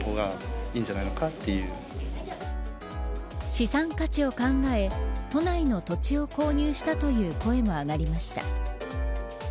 資産価値を考え都内の土地を購入したという声も上がりました。